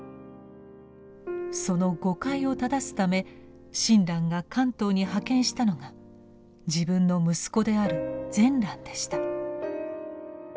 その誤解を正すため親鸞が関東に派遣したのが自分の息子である善鸞でした。